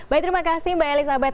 baik terima kasih mbak elizabeth